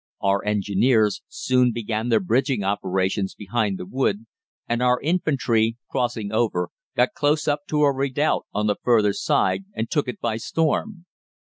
Our Engineers soon began their bridging operations behind the wood, and our infantry, crossing over, got close up to a redoubt on the further side and took it by storm.